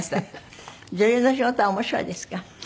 女優の仕事は面白いですか？